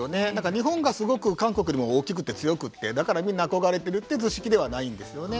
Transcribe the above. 日本がすごく韓国よりも大きくて強くてだからみんな憧れてるという図式ではないんですよね。